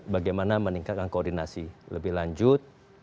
bagaimana meningkatkan koordinasi lebih lanjut